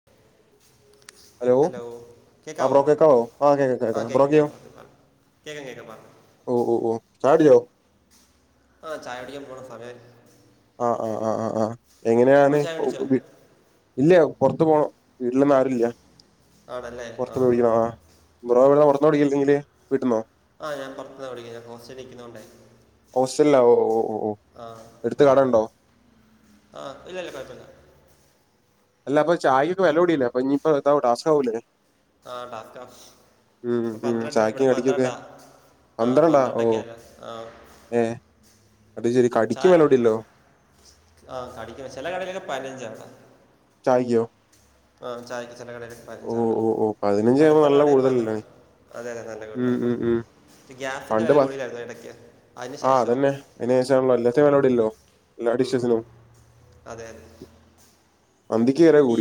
[inaudible] Hello ആ കേക്കാവോ bro ആ കേക്കാം ആഹ് കേക്കാം കേക്ക ബ്രോക്കെയോ കേക്കാം [unintelligible] കേക്കാം കേക്കാം പറഞ്ഞോ ഓ ഓ ഓ ചായട്‌ചോ ആഹ് ചായ കുടിക്കാൻ പോകണം സമയ ആഹ് ആഹ് ആഹ് ആഹ് ആഹ് ബ്രോ എങ്ങനെയാണ് ചായ കുടിച്ചോ ഇല്ല പുറത്ത പോണം വീട്ടിലന്നും ആരുല്ല ആണല്ലേ ആ പുറത്ത പോടിക്കണം ആഹ് ബ്രറോവിടെറന്ന്ടിക്കയില്ലെങ്കിൽ വീട്ടന്നോ ആഹ് ഞാൻ പുറത്തുനി വിളിക്ക ഞാൻ ഹോസ്റ്റല ഇിക്കുന്നോണ്ടേ ആഹ് അട്ത്ത് കട ഉണ്ടോ ആഹ് ഇല്ലല്ല കുഴപ്പമില്ല അല്ല അപ്പൊ ചായൊക്കെ വിലലവിടയില്ല അപ്പൊ ഇനി ഇപ്പോ ഇത ടാസ്കാവലേ ആഹ് ടാസ്ക്കാ ഉം ഇപ്പ ഉം പന്ത്രണ്ട് ഇവിടെ ചായക്കും കടിക്കൊക്കെ പന്ത്രണ്ടാ ആഹ് പന്ത്രണ്ടൊക്കെയല്ലേ ആഹ് ഏഹ് അയ്ശരി ചായ ആഹ് കടിക്ക ചില കടയിലൊക്കെ പതിനഞ്ചാണ്ട ചായി്ക്കോ ആഹ് ചായക്ക് ചില കടൽ പതിനഞ്ചട ഓ ഓ പതിനഞ്ചാകുമ്പോ അടുത്തള നല്ല കട പ കൂടുതലല്ലേ അതെ അതെ നല്ല കൂടു ഉം ഉം ഉം അപ്പ ഗ്യാസിന്റെ വില പണ്ട് കൂടലായിന്ന ഇടക്ക് അതിനു ആ ശേഷം അതന്നെ അനേശാണ്ല്ലോ എല്ലാത്തിനും വല കൂടിയല്ലോ എല്ലാ ഉം ഡിഷസിനും അതെ അതെ അന്തക്ക ഈ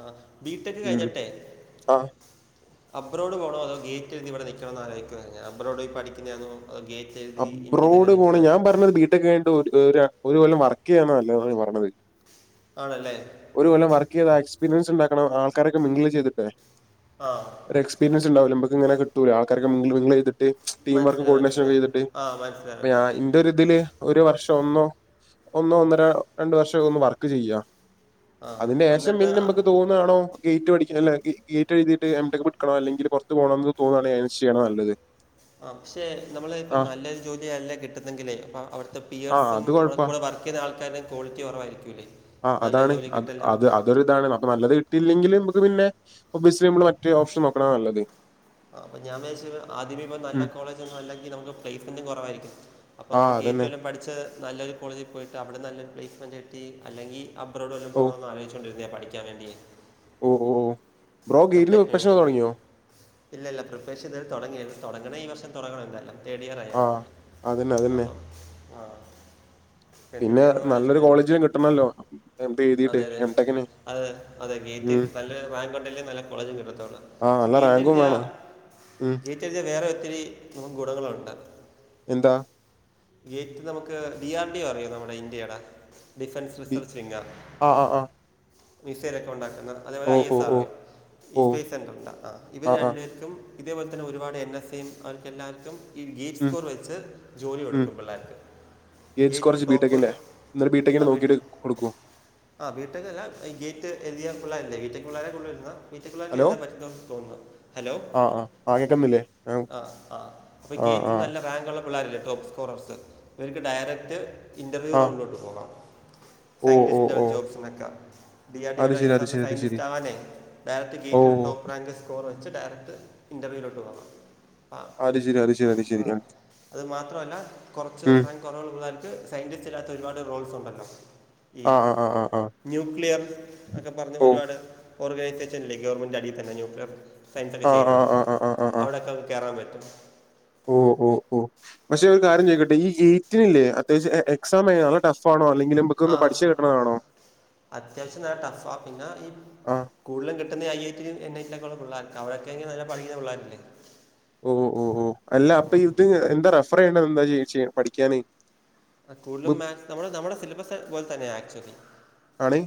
ആഹ് ബീട്ടക്ക് ഉം കഴിഞ്ഞട്ടെ ആ അബ്രോഡ് പോകണോ അതോ ഗേറ്റ് എഴതിവിടെ നിൽണമെന്ന് ആലോയ്ക്കുവഞാൻ അബ്രോഡ പോയി പഠിക്കതണോ അത ഗേറ്റ് എഴുതി ഇന്ത്യ തന്നെ അബ്രോഡ് പോണ നിൽക്കണേ ഞാൻ പറഞ്ഞത് ബീടെക്ക് കിട്ട് ഒരു കൊല്ലം വർക്ക് ചെയ്യാന്നല്ല ൻ പറഞ്ഞത് ആണല്ലേ ഒരുകൊല്ലം വർക്ക് ചെയ്ത എക്സ്പീരിയൻസ് ഉണ്ടാക്കണം ആൾക്കാരൊക്കെ മിംഗിൾ ചെയ്തിട്ടേ ആഹ് ഒരു എക്സ്പീരിയൻസ് ഉണ്ടാവൂല്ല ഇമ്മക്ക് ഇങ്ങനെ കിട്ടൂല്ല ആൾക്കാരൊക്കെ മിംഗിൾ ചെയ്തിട്ട് ടീം വർക്ക് കോർഡിനേഷനൊക്കെ ആഹ് മനസ്സിലായി മനസ്സിലായി ഒര് ഇതില് ഒരു വർഷം ഒന്നോ ഒന്നോ ഒന്നര രണ്ട് വർഷം ഒക്കെ ഒന്ന് വർക്ക് ചെയ്യാ ആ അതിന്റെ ഏഷം എന്നിട്ട് ആ പിന്നമ്മക്ക് തോന്ന് ന്നാണോ ഗേറ്റ് പടിക്ക് അല്ലേ ഗെ ഗേറ്റ് എഴുതീട്ട് എം ടെക് പഠിക്കണോ അല്ലെങ്കില് പൊർത്ത് പോണംന്ന് തോന്നാണേ അയ്നൻസ്ച് ചെയ്യുന്നതാ നല്ലത് ആഹ് പക്ഷെ നമ്മള് ആ ഇപ്പം നല്ലൊരു ജോലിയല്ല കിട്ടുന്നേങ്കിലേ അപ്പ അവിടുത്തെ പി ആഹ് എഫ്സും അത് അവിടെ കൊഴപ്പാ. കൂട വർ ക്ക്യ്ത ആൾക്കാർടെ കോളിറ്റി കുറവായിരിക്കൂല്ലേ ആഹ് അതാണ് അത് അ തൊരുതാണ് മ്മക്ക് നല്ലത് കിട്ടിയില്ലെങ്കില് മ്മക്ക് പിന്നെ ഒബ്വിയസ്ലി നമ്മള് മറ്റേ ഓപ്ഷൻ നോക്കണ നല്ലത് ആഹ് അപ്പം ഞാൻ വിയാച് ആദ്യമേ ഇപ്പം നല്ല ഉം. കോളേജൊന്നും അല്ലെങ്കി നമുക്ക് പ്ലേസ്മെന്റും കുറവായിരിക്കും അപ്പം നമ്മൾ ആഹ് ഗേറ്റ് അതന്നെ. വരെ പഠിച്ച് നല്ലൊരു കോളേജിൽ പോയിട്ട് അവിടെ നല്ലൊരു പ്ലേസ്മെന്റ് കിട്ടി അല്ലെങ്കി അബ്രോഡ് വല്ലോം ഓഹ്. പോണോന്ന് ആലോചിച്ചോണ്ടി രുന്ന പഠിക്കാൻ വേണ്ടി ഓഹ് ഓം എം ടെക് കഴിഞ്ഞിട്ട് ഇല്ലില്ല പ്രിപ്പറേഷൻ ഇതുവരെ തുടങ്ങീല്ല തുടങ്ങണേ ഈ വർഷം തുടങ്ങണം എന്തായാലും തേഡ് ഇയർ ആയാർന്ന് ആഹ്. അതന്നെ അതന്നെ. അപ്പം ആഹ് പിന്നെ നല്ലൊരു കോളേജിലും കിട്ടണല്ലോ എന്ത് എഴുതിട്ടേ അതെ അതെ എം ടെക്കിന് അതെ അതെ ഗേറ്റ് ഉം. നല്ലൊരു റാങ്ക് ണ്ടെങ്കി നല്ല കോളേജും കിട്ടത്തോളു ആഹ് പക്ഷേ നല്ല ഗേറ്റ് റാങ്കും എഴുതിയാ വേണം. ഉം. ഗേ റ്റ് എഴുതിയാ വേറെ ഒത്തിരി ഗുണങ്ങൾ ഒണ്ട് എന്താ ഗേറ്റ് നമുക്ക് ഡി ആർ ഡി ഒ അറിയോ നമ്മടെ ഇന്ത്യേടെ ഡിഫൻസ് ബി റിസർച്ചിങ്ങ് ആഹ് ആഹ് ആഹ്. മിസൈലൊക്കെ ഉണ്ടാക്കുന്ന അതേപോലെ ഐ ഓഹ് എസ് ഓഹ് ആർ ഒ ഓഹ് യും ഈ ഓഹ്. സ്പേസ് സെൻ്റർണ്ടാ ആഹ് ഇവർ രണ്ടുപേർക്കും ഇതേപോലെ തന്നെ ഒരുപാട് എൻ എസ് എ യും അവർക്കെല്ലാർക്കും ഈ ഗേറ്റ് ഉം സ്കോർ വെച്ച് ജോലി ഉം. കൊടുക്കും പിള്ളേർക്ക് ഗേറ്റ് സ്കോർ ഗേറ്റിൽ ജി ടോപ്പ് ബിടെക്കിന്റെ. ഇന്നലെ ബിടെക്കിന്റെ അവിട്ട് നോക്കിട്ട് കൊടുക്കൂ. ആഹ് ബി ടെക് അല്ല ഗേറ്റ് എഴുതിയ പിള്ളേരില്ലേ ബിടെക് പിള്ളാരാ കൂടുതൽ വരുന്ന ബിടെക് പിള്ളാർക്കേ ഹലോ എഴുതാൻ പറ്റത്തോന്ന് തോന്നുന്ന് ഹലോ ആഹ് ആഹ്. ആഹ് കേക്കുന്നില്ലേ? ആഹ് ആഹ് അപ്പം ഗേറ്റിന് ആഹ് നല്ല റാങ്കൊള്ള പുള്ളാരില്ലേ ടോപ്പ് സ്കോറർസ് അവർക്ക് ഡയറക്ട് ഇന്റർവ്യൂ ആ റൗണ്ടിലോട്ട് പോകാം ഓ ഓ സൈന്റിസ്റ്റ് ലെവൽ ഓ ജോബ്സിന് ഒക്കെ ഡി ആർ ഡി ഓ അത് ശരി അത് ശരി [unintelligible] അത് ശരി സയന്റിസ്റ്റ് ആവാനേ ഡയറക്ട് ഓ ഗേറ്റ് ടോപ്പ് റാങ്ക് സ്കോർ വച്ച് ഡയറക്റ്റ് ഇന്റർവ്യൂലോട്ട് പോവാം ആഹ് അത് ശരി അത് ശരി അത് ശരി ആഹ് അത് ശരി അതുമാത്രമല്ല കുറച്ച് ഉം റാ കുറവുള്ളവർക്ക് സയിന്റിസ്റ്റ് ഇല്ലാത്ത ഒരുപാട് റോൾസ് ഉണ്ടല്ലോ ഈ ആ ആ ആ ആ ആ ന്യൂക്ലിയർ ഒക്കെ പറഞ്ഞ് ഓ ഒരുപാട് ഓർഗനൈസേഷനില്ലേ ഗവൺമെന്റിന്റെ അടിയിൽ തന്നെ ന്യൂക്ലിയർ ഫ്രണ്ട്‌സ് ഒക്കെ ആ ആ ചെയ്യുന്ന ആ ആ ആ അവിടൊക്കെ കയറാൻ പറ്റും ഓഹ് ഓഹ് ഓഹ് പക്ഷെ ഒരു കാര്യം ചോയ്ക്കട്ടെ ഈ ഗേറ്റിനില്ലേ അത്യാവശ്യം എ എക്സാം എങ്ങനാ നല്ല ടഫ് ആണോ അല്ലെങ്കില് മ്പ ആഹ് അത്യാവശ്യം നല്ല ടഫാ പിന്നാ ഈ ആ കൂടുതും കിട്ടുന്നെ ഐ ഐ റ്റി ലും എൻ ഐ റ്റി ലും ഒക്കെ ഉള്ള പിള്ളേർക്കാ അവിടെയൊക്കെയാണേ നല്ല പഠിക്കുന്ന പിള്ളേരില്ലേ ഓഹ് ഓഹ് ഓഹ് അല്ല അപ്പൊ ഇത് എന്താ റഫർ ചെയ്യേണ്ടത് എന്താ ചോദിച്ചേ പഠിക്കാന് ആഹ് കൂടുതലും ബുക്ക് മാക്സ് നമ്മുടെ നമ്മുടെ സിലബസ് പോലെ തന്നെയാ ആക്ച്വലി ആണ്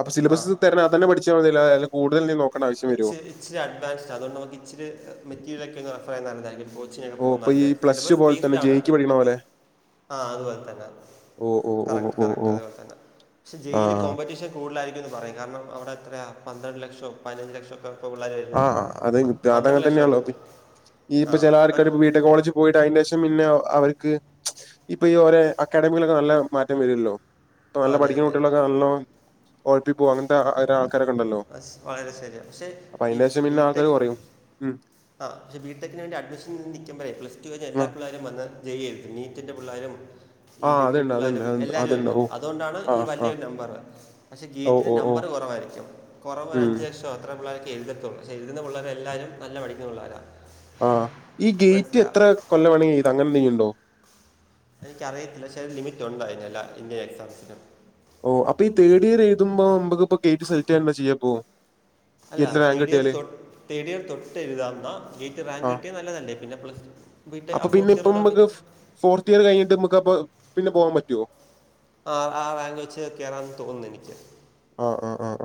അപ്പൊ ആ സിലബസ് തെരഞ്ഞ് അതന്നെ പഠിച്ചാ മതിയല്ലോ കൂടുതൽ ഇനി നോ ഇച്ച് ഇച്ചരി അഡ്വാൻസ്ഡാ അതുകൊണ്ട് നമുക്ക് ഇച്ചിരി മെറ്റീരിയലൊക്കെ ഒന്ന് റെഫർ ചെയാൻ നല്ലതായിരിക്കും കോച്ചിനെക്ക ഓ പോന്ന അപ്പൊ ഈ നല്ലെ പ്ലസ് ടു സിലബസ് പോലെ തന്നെ ബേസ്ഡ് ആണ് ജെഇക്ക് പഠിക്കണ പോലെ ആഹ് അതുപോൽ തന്നെ ഓ ഓ ഓ കറക്റ്റ് ഓ കറക്റ്റ് ഓ അതുപോൽ തന്നെ പക്ഷെ ജയിലി ആ കോമ്പറ്റീഷൻ കൂടുതലായിരിക്കും എന്ന് പറയും കാരണം അവിടെ എത്രയാ പന്ത്രണ്ട് ലക്ഷം പതിനഞ്ച് ലക്ഷം അപ്പോ പിള്ളാര് വെ ആഹ് അഹ് അതെനു താതങ്ങൻ തന്നെയാള്ളോ കു ഈ ആ ഇപ്പ ചെലേ അപ്പം ആർക്കാര് ഇപ്പം വീട്ട് കോളേജ് പോയിട്ട് അയ്ന്റെഷം പിന്നെ അവർക്ക് ഇപ്പൊ ഈ ഓരേ അക്കാഡമിയിലൊക്കെ നല്ല മാറ്റം വരുല്ലോ ഇപ്പം നല്ല അതെ പഠിക്കുന്ന അതെ കുട്ടിളൊക്കെ നല്ലോ ഴപ്പിപ്പോകും അങ്ങൻത്തെ ആ ആൾക്കാരൊക്കെണ്ടല്ലോ ശരിയാ പക്ഷേ ഈ പിന്നെ ആൾക്കാര് ബിടെക് കൊറയും. ഉം ആഹ് പക്ഷെ ബിടെക്കിന് വേണ്ടി അഡ്മിഷന് നിൽക്കപ്പോഴേ പ്ലസ് ടു കഴിഞ്ഞ് ആ എല്ലാ പിള്ളേരും വന്ന് ജ യി എടുത്ത് നീറ്റിന്റെ പിള്ളേരും ഈ ആ ഡിഗ്രി അതുണ്ട് അതുണ്ട് പിള്ളേരും അതുണ്ട് എല്ലാവരും അതുണ്ട്. എത്തും ഓ അതുകൊണ്ടാണ് ആ ഈ ആ വലിയൊരു നമ്പർ പക്ഷെ ഓ നീറ്റിന്റെ ഓ ഓ നമ്പർ കുറവായിരിക്കും കുറവ് ഒരു ഉം അഞ്ചു ലക്ഷം അത്ര പിള്ളേർക്ക് എഴുതത്തുള്ളൂ പക്ഷേ എഴുതുന്ന പിള്ളേരെല്ലാരും നല്ല പഠിക്കുന്ന പിള്ളേരാ ആഹ് ഈ ഗേറ്റ് എത്ര കൊല്ലം വേണമെങ്കിൽ എഴുത ഇത് അങ്ങനെ എന്തെങ്കിലും ഉണ്ടോ എനിക്കറിയത്തില്ല പക്ഷെ ലിമിറ്റ് ഉണ്ട് അതിനെല്ല ഇന്ത്യൻ എക്സാംസിനും ഓ അപ്പൊ ഈ തേഡ് ഇയർ എഴുമ്പോ നമുക്കിപ്പോ കേറ്റ് സെക്ട് ചെയ്യപ്പോ അല്ല തേഡിയർ തൊട്ട് തൊട്ട് എഴുതാവുന്ന ഗെറ്റ് റാങ്ക് ആ കിട്ടിയ ന്നതല്ലേ പിന്നെ പ്ലസ്ടു അപ്പൊ പിന്നെ ഇപ്പം നമുക്ക് ഫോർത്ത് ഇയർ കഴിഞ്ഞിട്ട് നമുക്ക് അപ്പം പിന്നെ പോവാൻ പറ്റുവോ ആഹ് ആഹ് റാങ് വെച്ച് കയറാെന്ന് തോന്നുന്നു എനിക്ക് ആഹ് ആഹ് ആഹ് ആഹ്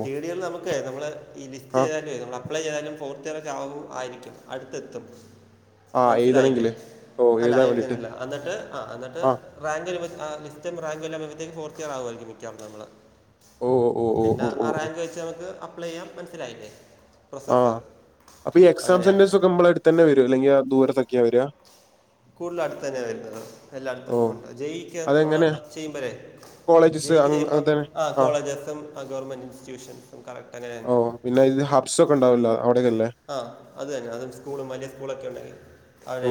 തേഡ് ഇയർല് നമക്കേ നമ്മള് ഈ ആ ലിസ്റ്റ് ഇതക്കെ നമ്മള് അപ്ലൈ ചെയ്താലും ഫോർത്ത് ഇയറൊക്കെ ആവും ആയിരിക്കും അടുത്തെത്തും ആ മനസ്സിലായില്ലേ എഴുതണെങ്കില് ഓ അല്ല എഴുതാൻ വേണ്ടിട്ട് ആരുന്നില്ല അന്നട്ട് ആഹ് അന്നട്ട് ആ റാക് ല ആഹ് ലിസ്റ്റും റാങ് എല്ലാം വരുമ്പത്തേക്ക് ഫോർത്ത് ഇയർ ആകുമായിരിക്കും മിക്കാ നമ്മൾ ഓ ഓ ഓ പിന്നെ ഓ ഓ ഓ ആറായിരം രൂപ വെച്ച് അപ്ലൈ ചെയ്യാം മനസ്സിലായില്ലേ പ്രോസസ്സ് ആഹ് അപ്പൊ ഈ എക്സാം അങ്ങനെയാ സെന്റേഴ്സ് ഒക്കെ നമ്മളുടെ അടുത്ത് തന്നെ വരിക അല്ലെങ്കിൽ ദൂരത്തൊക്കെയാ വരിക കൂടുതലും അടുത്ത് തന്നെയാണ് വരുന്നത് എല്ലായിടത്തും ഓ ഉണ്ട് ജ യി ക്ക് നമ്മള് അതെങ്ങനെ ചെയ്യുമ്പോഴേ ജ കോളേജസ് യി ക്ക് ചെയ്യുമ്പ അങ്ങനെ തന്നെ ആഹ് ആ കോളേജ് എസ് എം ഗവൺമെന്റ് ഇൻസ്റ്റിറ്റ്യൂഷൻസും കറക്ട് അങ്ങനെ ഓ തന്നെ പിന്നെ ഇത് [unintelligible] ഒണ്ടാവില്ല അവിടേക്കെല്ലേ ആഹ് അത് തന്നെ അതും സ്കൂളും വലിയ സ്കൂളൊക്കെ ഉണ്ടെങ്കി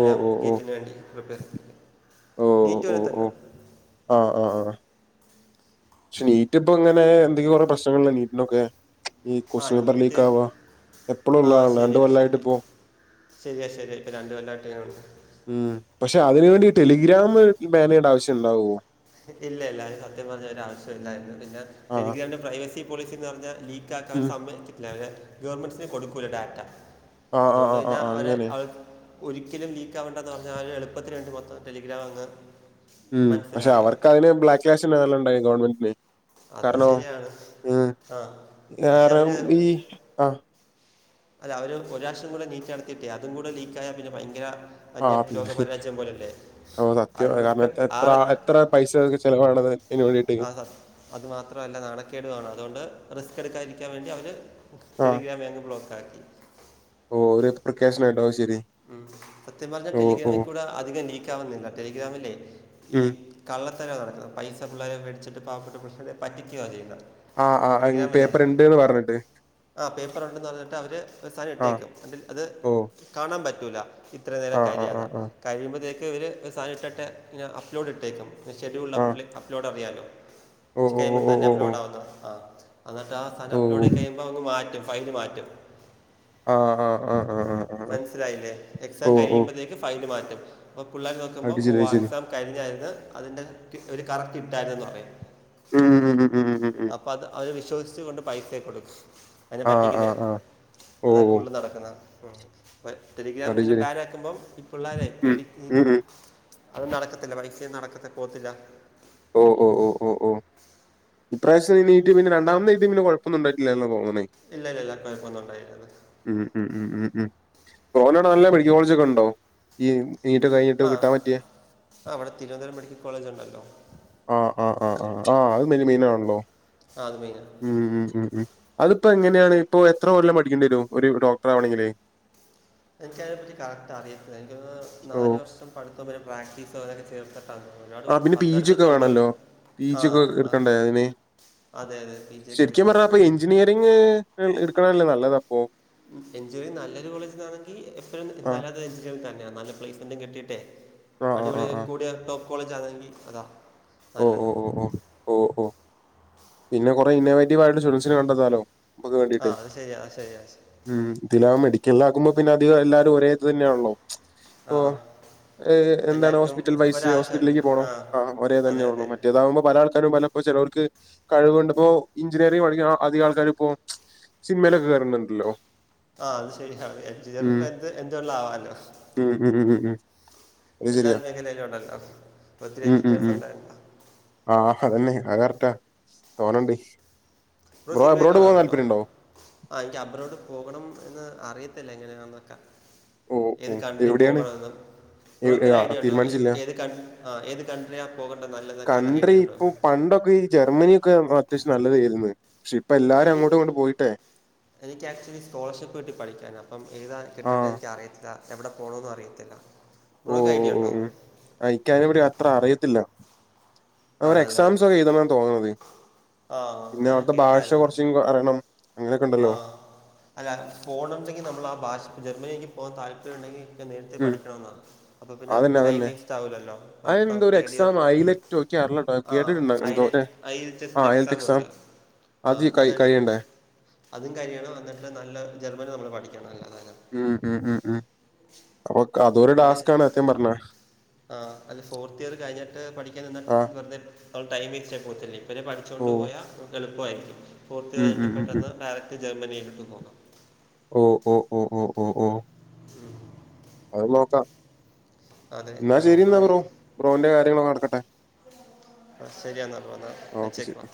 ഓ ഓ ഓ ഗേറ്റിന് വേണ്ടി പ്രറിപ്പയർ ചെയ് നീറ്റ് പോലെ തന്നെയെ ആഹ് ആഹ് പക്ഷെ നീറ്റ് ഇപ്പം ഇങ്ങനെ എന്തെങ്കിലും ഒക്കെ പ്രശ്നങ്ങളാ നീറ്റിനൊക്കെ ഈ ആ കൊസ്റ്റ്യൻപേപ്പർ നീറ്റ് ലീക്ക് ആവാ എപ്പഴും ഉള്ളതാണല്ലോ രണ്ട് കൊല്ലായിട്ട് ഇപ്പോ ശരിയ ശരിയാ ഇപ്പം രണ്ടു കൊല്ലമായിട്ട് ഉം പക്ഷെ അതിന് വേണ്ടി ഈ ടെലിഗ്രാം ബാൻ ചെയ്യുന്ന ആവശ്യമുണ്ടാവുമോ ഇല്ല ഇല്ല അതിന് സത്യം പറഞ്ഞാ ഒരു ആവശ്യമില്ലായിരുന്നു പിന്നെ ആ ടെലിഗ്രാമിന്റെ പ്രൈവസി പോളിസി എന്ന് പറഞ്ഞാൽ ഉം. ലീക്ക് [unintelligible] ഗവൺമെന്റിന് കൊടുക്കൂല്ല ഡാറ്റ ആ ആ അതുകൊണ്ട് ആ ആ തന്നെ ആ അവരെ അങ്ങനെ. അവർ ഒരിക്കലും ലീക്ക് ആവേണ്ടതന്ന് പറഞ്ഞാൽ എളുപ്പത്തിൽ രണ്ട് മൊത്തം ടെലിഗ്രാം അങ്ങ് ഉം പക്ഷെ മനസ്സിലായോ അവർക്ക് അതിന് [unintelligible] നല്ല ഉണ്ടായിക്കാണും ഗവൺമെന്റിന് അത് കാരണോ ശരിയാണ് ഉം ആ പക്ഷെ വേറെ അവർ ഈ ആഹ് അല്ല അവര് ഒര് പ്രാവിശ്യം കൂടെ നീറ്റ് നടത്തിട്ടെ അതും കൂടെ ലീക്കായാ പിന്നെ ഭയങ്കര ആ വല്യ ലോക പിന്നെ പരാജയം പോലല്ലേ ഓ സത്യം അതി കാരണം റിസ്ക്ക് എത്ര എത്ര ആറ് എത്ര പൈസയാ അവർക്ക് ചിലവാണത് ആഹ് അതു മാത്രമല്ല നാണക്കേട് ആണ് അതുകൊണ്ട് റിസ്ക് എടുക്കാതിരിക്കാൻ വേണ്ടി അവര് ആ ടെലിഗ്രാമങ്ങ് ബ്ലോക്ക് ആക്കി ഓ ഒരു [unintelligible] പ്രക്കേശന്ണ്ടാവും ശരി. സത്യം പറഞ്ഞാൽ ഓ ഓ ടെലിഗ്രാമിൽ കൂടെ അധികം ലീക്ക് ആവുന്നില്ല ടെലിഗ്രാമിലേ ഈ ഉം. കള്ളത്തരോ നടക്കുന്നത് പൈസ പിള്ളേരോ മേടിച്ചിട്ട് പാവപ്പെട്ട പിള്ളേരെ പറ്റിക്കുകയാ ചെയ്യുന്നത് ആഹ് ആഹ് പേപ്പർ ഇണ്ട്ന്ന് പറഞ്ഞിട്ട് ആഹ് പേപ്പർ ഉണ്ടെന്ന് പറഞ്ഞിട്ട് അവര് മെസ്സേജ് ആ ഇട്ടേക്കും നെട്ട് അത് ഓ കാണാൻ പറ്റൂല ഇത്ര ആ നേരം ആ ആ കഴിയാതെ ആ കഴിയുമ്പഴത്തേക്ക് [unintelligible] ഇട്ട് അപ്ലോഡ് ഇട്ടേക്കും. ഷെഡ്യൂൾഡ് ആ അപ് അപ്ലോഡ് അറിയാല്ലോ ഓ ഓ ഓ ഓ [unintelligible] ഓ അപ്ലോഡ് ആവുന്നോ ആഹ് എന്നിട്ട് ആഹ് സാനം ഓ ഓ അപ്ലോഡ് കഴിയുമ്പോൾ അങ് മാറ്റും ഫയല് മാറ്റും ആഹ് ആഹ് ആഹ് ആഹ് മനസ്സിലായില്ലേ എക്സാം ഓ കഴിയുമ്പോഴത്തേക്ക് ഫയൽ മാറ്റും അപ്പ പിള്ളേർ അത് നോക്കുമ്പോൾ ശരി അത് ശരി. [unintelligible] കഴിഞ്ഞായിരുന്നു അതിന്റെ കി ഒരു കറക്റ്റ് കിട്ടായിരുന്നന്ന് പറയാം ഉം ഉം ഉം ഉം ഉം ഉം ഉം അത് വിശ്വസിച്ച് കൊണ്ട് പൈസകൊടുക്കും ആ ആ പറ്റിക്കുന്ന ആ. ഓ അതാ ഓ കൂടുതൽ നടക്കുന്നെ അപ്പ ടെലിഗ്രാം അത് ഇങ്ങനെ ശരി. ബാനാക്കുമ്പോം ഈ പിള്ളേരെേ ഉം. പേടിക്കും ഉം ഉം. അത് നടക്കത്തില്ല പൈസൊ നടക്കത്തി പോവത്തില്ല.. ഓ ഓ ഓ ഓ ഓ ഇപ്രാവശം നീറ്റ് പിന്ന രണ്ടാമത് എയ്തിയത് പിന്നെ കൊഴപ്പന്നണ്ടട്ടില്ലന്ന് തോന്നണേ ഇല്ല ഇല്ല ഇല്ല കൊയപ്പം ഉണ്ടായില്ല ഉം ഉം ഉം ഉം ഉം ഒനാവിടെ നല്ല മെഡിക്കൽ കോളേജ് ഒക്കെ ഉണ്ടോ ഈ നീറ്റ് കഴിഞ്ഞിട്ട് കിട്ടാൻ പറ്റിയെ ആഹ് ഇവിടെ തിരുവനന്തപുരം മെഡിക്കൽ കോളേജ്ണ്ടല്ലോ ആഹ് ആഹ് ആഹ് ആഹ് ആഹ് അത് മിൻമെയിൻ ആണല്ലോ. ആഹ് അത് മെയ്‌നാ. ഉം ഉം ഉം ഉം അതിപ്പോ എങ്ങനെയാണ് ഇപ്പൊ എത്ര കൊല്ലം പഠിക്കേണ്ടി വരും ഒരു ഡോക്ടർ ആവണെങ്കില്. എനിക്കതിനെപ്പറ്റി കറക്റ്റ് അറിയത്തില്ല എനിക്ക് ഓ നാല് വർഷം പടുത്തം പിന്നെ പ്രാക്ടീസോ അതും പാടി ചേർത്ത് അഞ്ചു വർഷ. [unintelligible] ഒട് ആ പിന്നെ പി ജി ഒക്കെ പത്ത്ടുപ്പിച്ചുണ്ട് വേണല്ലോ. പി ജി ഒക്കെ ആഹ് ആഹ് എടുക്കണ്ടേ അതിന്? അതെ അതെ പീജക്കെ ശരിക്കും എടുക്കണം. അപ്പൊ എഞ്ചിനീയറിങ് എടുക്കണല്ലേ നല്ലത അപ്പൊ. എഞ്ചിനിർങ് നല്ലൊരു കോളേജ്ന്നാണെങ്കിൽ എപ്പഴും ആഹ് നല്ല എ [unintelligible] നല്ല പ്ലേസ്മെന്റും കിട്ടിട്ടെ ആഹ് ആഹ് അടിപൊളി ആഹ് ആഹ് കൂടിയ ടോപ്പ് കോളേജ് ആണെങ്കിൽ അതാ. ഓ നല്ലത് ഓ ഓ ഓ ഓ ഓ പിന്നെ കുറെ ഇന്നോവേറ്റീവ് ആയിട്ടുള്ള [unintelligible] കണ്ടത്താല്ലോ. ആഹ് അത് ശരിയാ ശരിയാ. ഉം ഇദിലാ മെടിക്കലിലാക്കുമ്പോ പിന്നെ അധികം എല്ലാവരും ഒരേത് തന്നെയാണല്ലോ. ആഹ് ഏ എന്താണ് ഹോസ്പിറ്റൽ പൈസ് ഹോസ്പിറ്റലിലേക്ക് ആ പോണം ആഹ് ഒരേ അതെ തന്നെ ഉള്ള അതെ മറ്റേതാവുമ്പോ പല ആൾക്കാരും പല. ഇപ്പ ചേലോർക്. കഴിവ് കണ്ട ഇപ്പോ എഞ്ചിനീയറിംഗങ് പഠിക്ക അധിക ആൾക്കാരും ഇപ്പോ സിനിമയിലൊക്കെ കേയറുന്നുണ്ടല്ലോ. ആഹ് അത് ശരിയാ ഇപ്പ എന്ത് എന്ത് വേണേലും ആവാലോ. ഉം ഉം ഉ ഉം ഉം. അത് എല്ലാ ശരിയാ മേഖലയിലും ഉണ്ടല്ലോ ഒത്തിരി ഉം ഉം എഞ്ചിനെഴസ് ഉം ഉണ്ടായിരണ്ട. ആഹ് അതന്നെ അഹ് കറക്റ്റാ തോന്നണ്ട് ബ്രോ എബ്രോഡ് പോവാൻ താല്പര്യം ഉണ്ടോ. ആഹ് എനിക്ക് അബ്രോഡ് പോകണം എന്ന് അറിയത്തില്ല എങ്ങനെയാന്നൊക്കെ. ഓ ഓ ഏത് കൺട്രി എവിടെയാണ് പോകണമെന്ന്. ബ്രോക്ക് ഒരു ഐഡിയ ഉണ്ടോ തീരുമാനിച്ചില്ല ഏത് കൺ ആഹ് ഏത് കൺട്രിയ ആണ് പോകേണ്ടത് നല്ലത് [unintelligible] കൺട്രി ഐഡിയ ഉണ്ടോ. ഇപ്പൊ പണ്ടൊക്കെ ഈ ജർമ്മനിയൊക്കെ അത്യാവശ്യം നല്ലതായിരുന്നു പക്ഷെ ഇപ്പൊ ആ, എല്ലാരും എനിക്ക് അങ്ങോട്ടും ഇങ്ങോട്ടും പോയിട്ടേ. എനിക്ക് ആക്ച്ലി സ്കോളർഷിപ്പ് കിട്ടി പഠിക്കാൻ അപ്പം [unintelligible] കിട്ടേണ്ട ആഹ് എനിക്ക് അിയത്തില്ല. എവിടെ പോകണോന്ന് അറിയത്തില്ല ബ്രാക്ക് ഐഡിയ ഉണ്ടോ. ആഹ് ഇക്ക് അയ്ന പറ്റി അത്ര അറിയത്തില്ല അവരെ ആണല്ലേ എക്സാംസ് ഒക്കെ എഴതണാണ് തോന്നണത് ആ പിന്നെ ഞാൻ അവരുടെ ഭാഷ കുറച്ച അറിയണം. അങ്ങനെയൊക്കെ ഉണ്ടല്ലോ ആഹ് അല്ല പോകണണ്ടെങ്കിൽ നമ്മൾ ആഹ് ഭാഷ ജർമ്മനിയിലക്ക് പോകാൻ താല്പര്യമം ഉണ്ടെങ്കിൽ. നേരത്തെ ഉം പഠിക്കണമെന്നാണ് അപ്പോൾ പിന്നെ അതന്നെ ടൈം അതന്നെ വേസ്റ്റ് ആകില്ലല്ലോ ഇപ്പോൾ അതെന്തോ ഒരു തേർഡ് ഇയർ. എക്സാം അയിലറ്റോ അറിയില്ലട്ടോ കേട്ടിട്ടുണ്ടോ ആഹ് എന്തോ ആഹ് [unintelligible] അയിലത്തെ എക്സാം ഉണ്ട് ആഹ് കൈ അത് കഴിയണ്ടേ അതും കഴിയണം എന്നിട്ട് നല്ല ജർമ്മൻ നമ്മൾ പഠിക്കണം അല്ലാരം ഉം ഉം ഉം ഉം [unintelligible] അല്ലെ ആണ് സത്യം പറഞ്ഞ ആഹ് അല്ലെ ഫോർത്ത് ഇയർ കഴിഞ്ഞിട്ട് പഠിക്കാൻ ആഹ് നിനിട്ട് വെർതെ [unintelligible] ഓ പഠിച്ചോണ്ട് പോയാ എളുപ്പയിരിക്കും ഓക്ക് ഉം ഉം [unintelligible] ഉം ഉം പെട്ടെന്ന് ഡയറക് ജർമ്മനിയിൽക് പോണം ഓഹ് ഓഹ് ഉം അഹ് നോക്കാം ന്നാ ശരിന്നാ നോക്കണം ബ്രോ എനിക്ക് ബ്രോന്റെ കാര്യങ്ങളൊക്ക നടക്കട്ടെ അ ശരിയന്ന എന്നാ ഓക്കെ ശരി വച്ചേക്ക